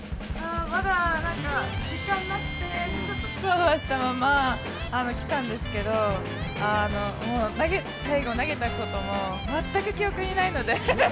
まだ実感がなくて、ちょっとふわふわしたまま来たんですけど、もう最後投げたことも全く記憶にないので。